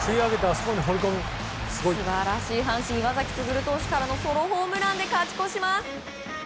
素晴らしい阪神、岩崎投手からのソロホームランで勝ち越します。